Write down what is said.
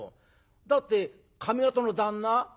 だって上方の旦那？